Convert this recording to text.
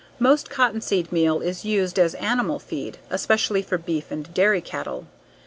Most cottonseed meal is used as animal feed, especially for beef and dairy cattle.